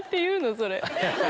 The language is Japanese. それ。